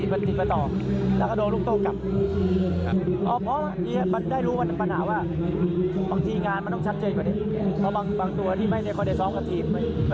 เวลามันลงไปแล้วมันซิกซอมมันเฟืองมันขบกันนิดเดียว